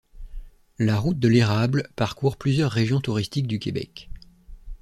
La Route de l’érable parcourt plusieurs régions touristiques du Québec.